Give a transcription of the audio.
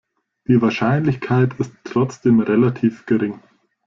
Die Wahrscheinlichkeit ist trotzdem relativ gering.